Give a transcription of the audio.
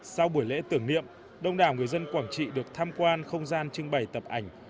sau buổi lễ tưởng niệm đông đảo người dân quảng trị được tham quan không gian trưng bày tập ảnh